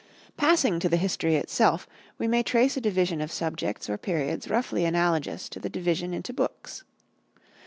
Passing to the history itself, we may trace a division of subjects or periods roughly analogous to the division into books.